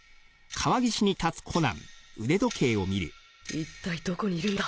一体どこにいるんだ？